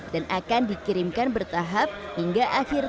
dan akan dikirimkan bertahap hingga akhirnya